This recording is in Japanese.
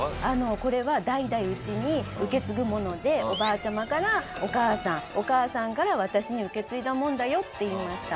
これは代々うちに受け継ぐものでおばあちゃまからお母さんお母さんから私に受け継いだもんだよって言いました。